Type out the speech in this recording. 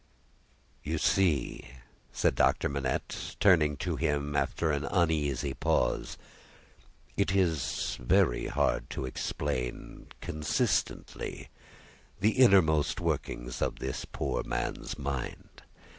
"You see," said Doctor Manette, turning to him after an uneasy pause, "it is very hard to explain, consistently, the innermost workings of this poor man's mind.